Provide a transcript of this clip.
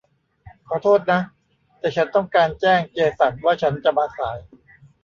ขอโทษนะ แต่ฉันต้องการแจ้งเจสันว่าฉันจะมาสาย